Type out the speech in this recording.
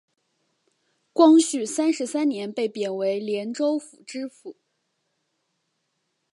光绪三十三年被贬为廉州府知府。